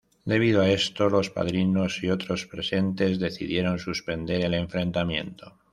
Debido a esto, los padrinos y otros presentes decidieron suspender el enfrentamiento.